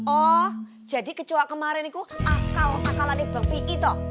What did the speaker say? oh jadi kecua kemarin aku akal akalan itu